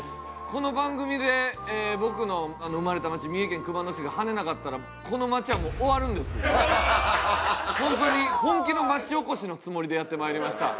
この番組で僕の生まれた町三重県熊野市がはねなかったらホントに本気の町おこしのつもりでやって参りました。